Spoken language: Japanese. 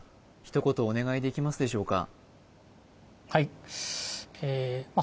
一言お願いできますでしょうか？